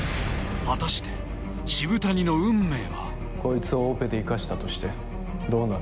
果たしてこいつをオペで生かしたとしてどうなる？